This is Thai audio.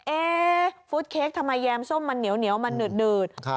ฟุตเค้กทำไมแยมส้มมันเหนียวมันหนืด